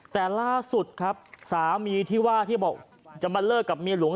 แต่ล่าสุดครับสามีที่ว่าที่บอกจะมาเลิกกับเมียหลวง